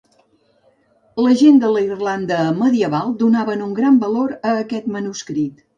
La gent de la Irlanda medieval donaven un gran valor a aquest manuscrit.